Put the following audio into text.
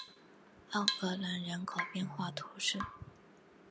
昂格莱人口变化图示